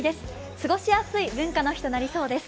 過ごしやすい文化の日となりそうです。